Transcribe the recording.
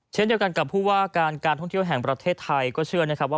เช่นเดียวกันกับผู้ว่าการการท่องเที่ยวแห่งประเทศไทยก็เชื่อนะครับว่า